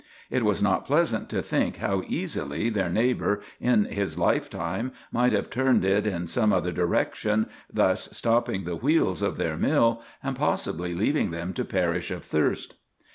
It was not pleasant to think how easily their neighbor in his lifetime might have turned it in some other direction, thus stopping the wheels of their mill, and possibly leaving them to perish of thirst.